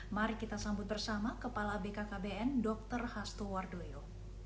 mari kita sambut bersama kepala bkkbn dr hasto wardoyo